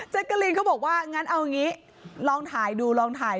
แจ๊กเกอรีนเขาบอกว่างั้นเอางี้ลองถ่ายดู